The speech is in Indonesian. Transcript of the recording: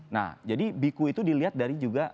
nah jadi biku itu dilihat dari juga